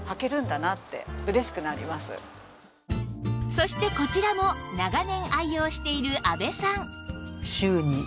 そしてこちらも長年愛用している阿部さん